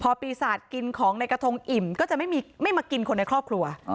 พอปีศาจกินของในกระทงอิ่มก็จะไม่มากินคนในครอบครัว